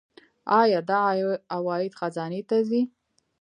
آیا دا عواید خزانې ته ځي؟